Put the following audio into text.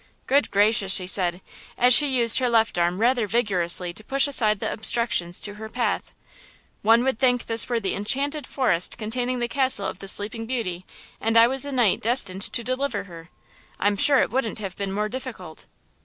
"Good gracious," she said, as she used her left arm rather vigorously to push aside the obstructions to her path, "one would think this were the enchanted forest containing the castle of the sleeping beauty, and I was the knight destined to deliver her! I'm sure it wouldn't have been more difficult."